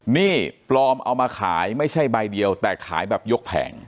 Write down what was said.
นี่ปลอมเอามาขายไม่ใช่ใบเดียวแต่ขายแบบยกแผง